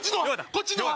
こっちのは？